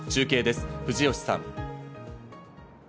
中継です、藤吉さん。